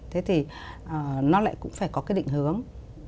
thế thì nó lại cũng phải có cái định hướng